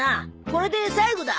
これで最後だ。